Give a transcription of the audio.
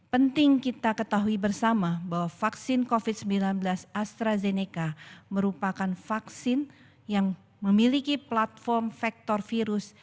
penting kita ketahui bersama bahwa vaksin covid sembilan belas astrazeneca merupakan vaksin yang memiliki platform faktor virus